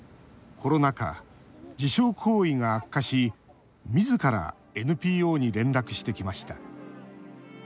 コロナ禍、自傷行為が悪化しみずからＮＰＯに連絡してきました。